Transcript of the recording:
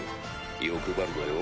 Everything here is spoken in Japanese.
欲張るなよ？